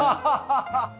ハハハハッ！